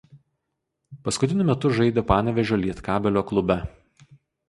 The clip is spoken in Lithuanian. Paskutiniu metu žaidė Panevėžio „Lietkabelio“ klube.